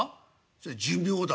「そら寿命だ」。